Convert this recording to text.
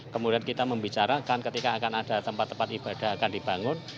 kemudian kita membicarakan ketika akan ada tempat tempat ibadah akan dibangun